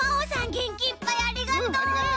げんきいっぱいありがとう！